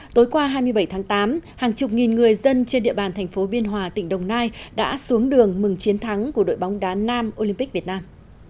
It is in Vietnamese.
tối qua hai mươi bảy tháng tám hàng chục nghìn người dân trên địa bàn thành phố biên hòa tỉnh đồng nai đã xuống đường mừng chiến thắng của đội bóng đá nam olympic việt nam